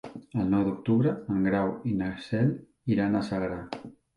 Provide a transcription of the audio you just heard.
El nou d'octubre en Grau i na Cel iran a Sagra.